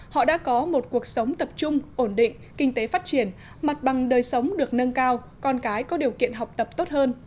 họ đã có một cuộc sống tập trung ổn định kinh tế phát triển mặt bằng đời sống được nâng cao con cái có điều kiện học tập tốt hơn